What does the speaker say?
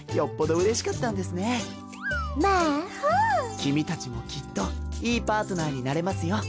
君たちもきっといいパートナーになれますよ。